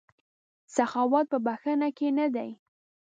سخاوت په بښنه کې نه دی.